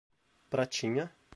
Pratinha